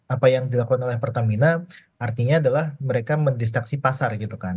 apa yang dilakukan oleh pertamina artinya adalah mereka mendestraksi pasar gitu kan